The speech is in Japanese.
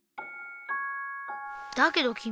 だけど君。